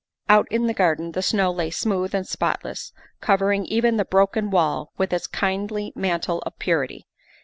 Out in the garden the snow lay smooth and spotless, covering even the broken wall with its kindly mantle of purity.